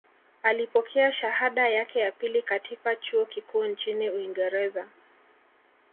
Alipokea shahada yake ya pili katika chuo kikuu nchini Uingereza